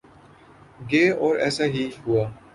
گے اور ایسا ہی ہوا۔